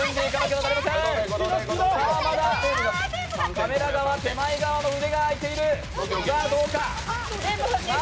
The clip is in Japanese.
カメラ側手前側の腕が空いている、さあ、どうか。